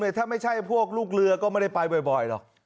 ถ้าไม่ใช่พวกลูกเรือก็ไม่ได้ไปบ่อยหรอก